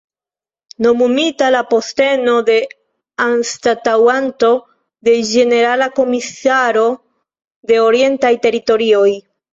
Nomumita al posteno de anstataŭanto de ĝenerala komisaro de Orientaj Teritorioj.